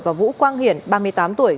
và vũ quang hiển ba mươi tám tuổi